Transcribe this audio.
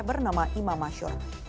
bernama imam mansur